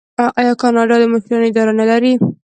آیا کاناډا د مشرانو اداره نلري؟